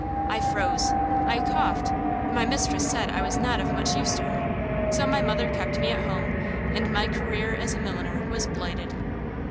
I froze; I coughed; my mistress said I was not of much use to her. So my mother kept me at home, and my career as a milliner was blighted.